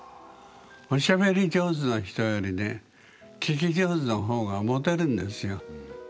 おしゃべり上手な人よりね聞き上手の方がモテるんですよ。